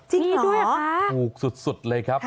จริงหรอถูกสุดเลยครับ